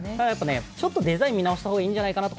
ちょっとデザイン見直した方がいいんじゃないかと、